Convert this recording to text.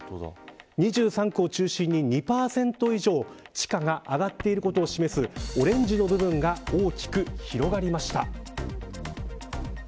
２３区を中心に２％以上地価が上がっていることを示すオレンジの部分が大きく広がりました。